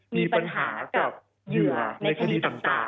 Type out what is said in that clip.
มีปัญหากับเหยื่อในคดีต่าง